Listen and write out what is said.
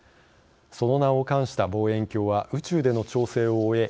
その名を冠した望遠鏡は宇宙での調整を終え